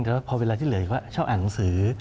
แต่พอเวลาที่เหลือชอบอ่านหนังสือ